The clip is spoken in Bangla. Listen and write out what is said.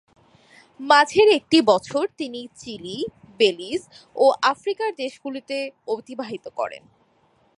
মাঝের একটি বছর তিনি চিলি, বেলিজ ও আফ্রিকার দেশগুলিতে অতিবাহিত করেন।